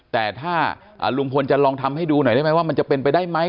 แต่ถ้าลุงพลจะลองทำให้ดูหน่อยได้ไหมว่ามันจะเป็นไปได้ไหม